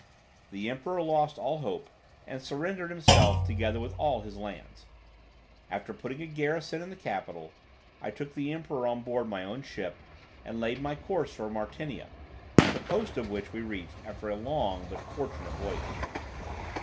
The emperor lost all hope and surrendered himself together with all his lands. After putting a garrison in the capital, I took the emperor on board my own ship, and laid my course for Martinia, the coast of which we reached after a long but fortunate voyage.